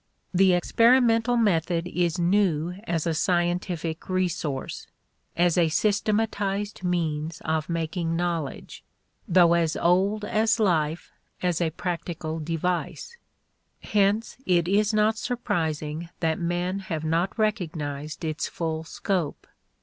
The experimental method is new as a scientific resource as a systematized means of making knowledge, though as old as life as a practical device. Hence it is not surprising that men have not recognized its full scope.